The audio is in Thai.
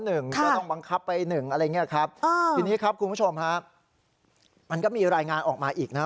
ก็ต้องบังคับไป๑อะไรอย่างนี้ครับทีนี้ครับคุณผู้ชมครับมันก็มีรายงานออกมาอีกนะ